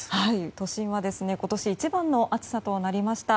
都心は今年一番の暑さとなりました。